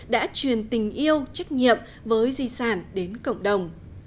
đã truyền tình yêu trách nhiệm với di sản đến cộng đồng